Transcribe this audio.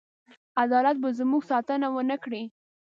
عدالت به زموږ ساتنه ونه کړي.